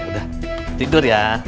udah tidur ya